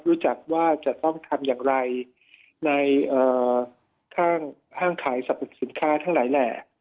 รู้จักว่าจะต้องทำอย่างไรในห้างขายสรรพสินค้าทั้งหลายแหล่